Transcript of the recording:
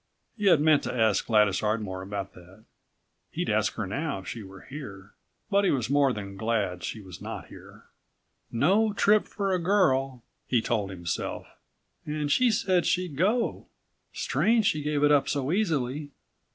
He had meant to ask Gladys Ardmore about that. He'd ask her now if she137 were here. But he was more than glad she was not here. "No trip for a girl," he told himself, "and she said she'd go. Strange she gave it up so easily.